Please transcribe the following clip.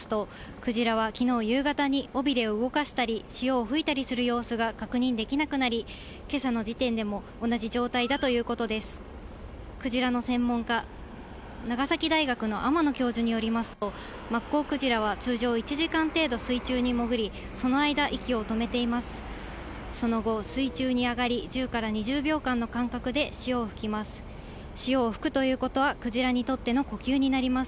クジラの専門家、長崎大学の天野教授によりますと、マッコウクジラは通常１時間程度水中に潜り、その間、息を止めています。